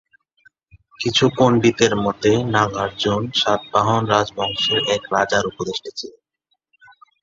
কিছু পন্ডিতের মতে, নাগার্জুন সাতবাহন রাজবংশের এক রাজার উপদেষ্টা ছিলেন।